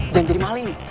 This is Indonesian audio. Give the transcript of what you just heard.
jangan jadi maling